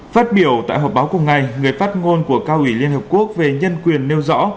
phát biểu tại họp báo cùng ngày người phát ngôn của cao ủy liên hợp quốc về nhân quyền nêu rõ